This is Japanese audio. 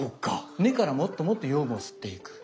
根からもっともっと養分を吸っていく。